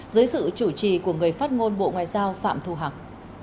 dưới sự chủ trì của người phát ngôn bộ ngoại giao phạm thu hằng